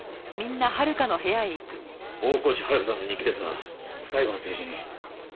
大河内遥さんの日記ですが最後のページに。